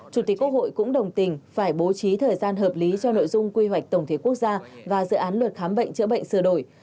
chủ tịch quốc hội cũng đồng tình phải bố trí thời gian hợp lý cho nội dung quy hoạch tổng thể quốc gia và dự án luật khám bệnh chữa bệnh sửa đổi